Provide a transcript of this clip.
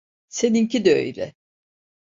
Seninki de öyle.